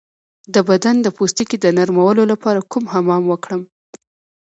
د بدن د پوستکي د نرمولو لپاره کوم حمام وکړم؟